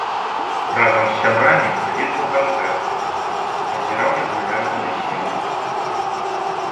Разам з сябрамі наведваў канцэрты, назіраў як гуляюць на вяселлях.